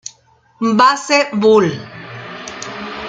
Basel; Bull.